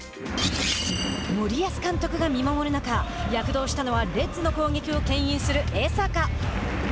森保監督が見守る中躍動したのはレッズの攻撃をけん引する江坂。